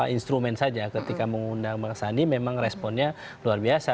instrumen saja ketika mengundang bang sandi memang responnya luar biasa